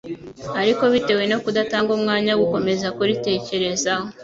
ariko bitewe no kudatanga umwanya wo gukomeza kuritekerezaho,